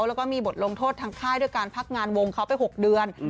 แล้วก็มีบทลงโทษทางค่ายด้วยการพักงานวงเขาไป๖เดือน